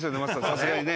さすがにね。